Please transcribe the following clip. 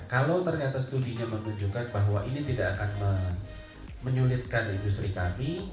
kalau ternyata studinya menunjukkan bahwa ini tidak akan menyulitkan industri kami